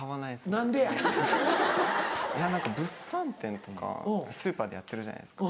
何か物産展とかスーパーでやってるじゃないですか。